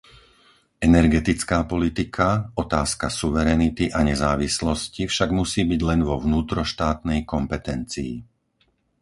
Energetická politika, otázka suverenity a nezávislosti však musí byť len vo vnútroštátnej kompetencii.